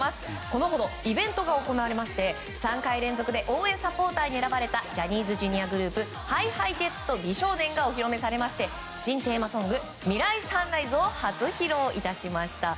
このほどイベントが行われまして３回連続で応援サポーターに選ばれたジャニーズＪｒ．グループＨｉＨｉＪｅｔｓと美少年がお披露目されまして新テーマソング「未来ＳＵＮＲＩＳＥ」を初披露致しました。